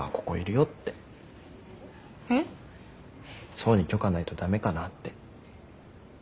想に許可ないと駄目かなって。